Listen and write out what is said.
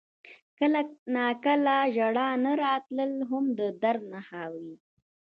• کله ناکله ژړا نه راتلل هم د درد نښه وي.